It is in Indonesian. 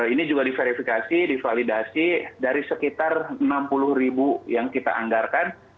ini juga diverifikasi divalidasi dari sekitar enam puluh ribu yang kita anggarkan